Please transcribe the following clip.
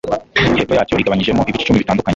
hepfo yacyo igabanyijemo ibice icumi bitandukanye